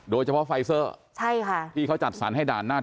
โดยเฉพาะไฟเซอร์ใช่ค่ะที่เขาจัดสรรให้ด่านหน้า